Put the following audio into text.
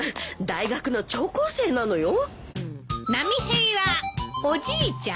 大学の聴講生なのよ。